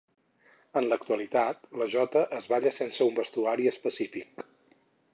En l'actualitat, la Jota es balla sense un vestuari específic.